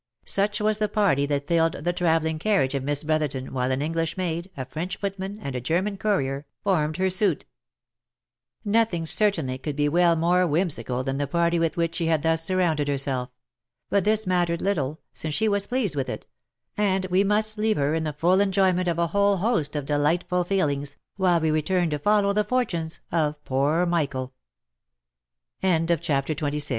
Such was the party that filled the travelling carriage of Miss Bro therton, while sua English maid, a French footman, and a German courier, formed her suite. Nothing, certainly, could be well more whimsical than the party with which she had thus surrounded herself; but this mattered little, since she was pleased with it — and we must leave her in the full enjoy ment of a whole host of delightful feelings, while we return to follow the fort